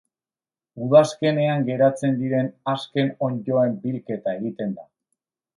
Udazkenean geratzen diren azken onddoen bilketa egiten da.